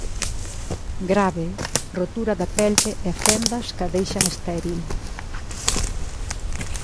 Grave: rotura da pelve e fendas que a deixan estéril.